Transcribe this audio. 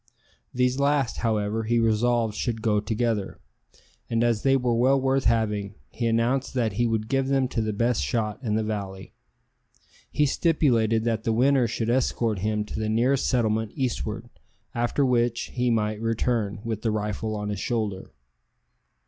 These last, however, he resolved should go together; and as they were well worth having, he announced that he would give them to the best shot in the valley. He stipulated that the winner should escort him to the nearest settlement eastward, after which he might return with the rifle on his shoulder.